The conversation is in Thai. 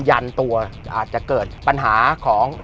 อาจจะเกิดปัญหาของ